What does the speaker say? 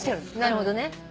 なるほどね。